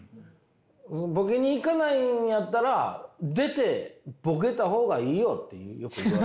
ボケにいかないんやったら出てボケた方がいいよってよく言われる。